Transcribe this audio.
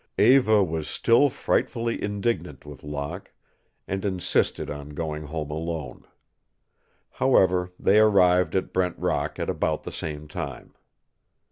Eva was still frightfully indignant with Locke and insisted on going home alone. However, they arrived at Brent Rock at about the same time.